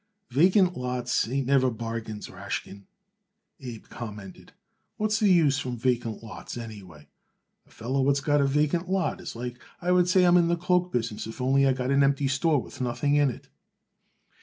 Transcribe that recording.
"Vacant lots ain't never bargains, Rashkin," Abe commented. "What's the use from vacant lots, anyway? A feller what's got vacant lots is like I would say I am in the cloak business if I only get it an empty store with nothing in it."